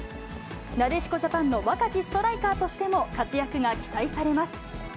なでしこジャパンの若きストライカーとしても活躍が期待されます。